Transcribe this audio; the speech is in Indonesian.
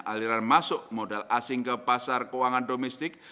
aliran masuk modal asing ke pasar keuangan domestik